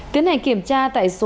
tiến hành kiểm tra tại số hai